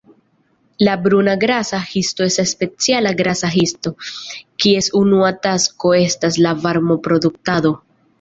La bruna grasa histo estas speciala grasa histo, kies unua tasko estas la varmo-produktado.